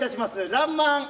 「らんまん」